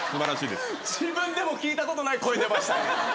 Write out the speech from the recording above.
自分でも聞いたことない声出ましたね。